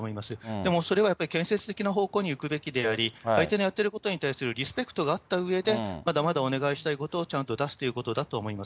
でもそれはやっぱり、建設的な方向にいくべきであり、相手のやってることに対してリスペクトがあったうえで、まだまだお願いしたいことをちゃんと出すということだと思います。